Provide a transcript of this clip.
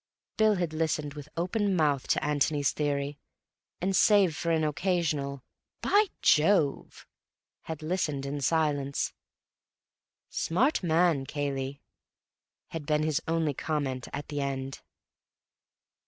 Bill had listened with open mouth to Antony's theory, and save for an occasional "By Jove!" had listened in silence. "Smart man, Cayley," had been his only comment at the end.